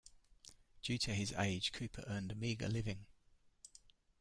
Due to his age Cooper earned a meager living.